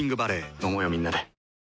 飲もうよみんなで。